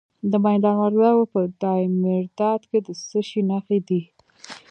د میدان وردګو په دایمیرداد کې د څه شي نښې دي؟